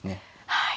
はい。